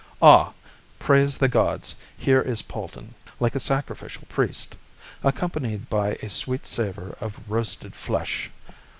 Ah! Praise the gods! here is Polton, like a sacrificial priest accompanied by a sweet savour of roasted flesh.